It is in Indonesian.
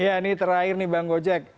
ya ini terakhir nih bang gojek